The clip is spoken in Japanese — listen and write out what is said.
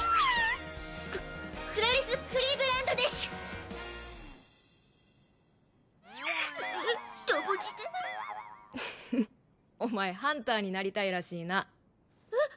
ククラリス＝クリーヴランドでしゅううどぼぢでフフッお前ハンターになりたいらしいなえっ？